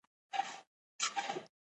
په افغانستان کې د هېواد مرکز ډېر اهمیت لري.